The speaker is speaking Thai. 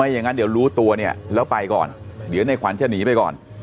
อย่างนั้นเดี๋ยวรู้ตัวเนี่ยแล้วไปก่อนเดี๋ยวในขวัญจะหนีไปก่อน